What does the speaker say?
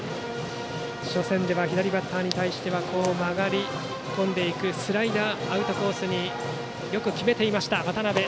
初戦では左バッターに対し曲がり込んでいくスライダー、アウトコースによく決めていました渡部。